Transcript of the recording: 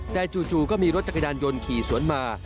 แต่จู่ก็มีรถจักรยานยนต์ขี่สวนมา